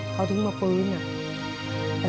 เขาถึงมาคุยกัน